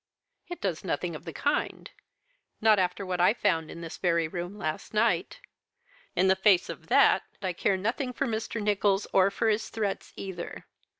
It does nothing of the kind. Not after what I found in this very room last night. In the face of that, I care nothing for Mr. Nicholls, or for his threats either.